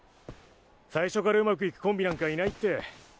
最初から上手くいくコンビなんかいないって。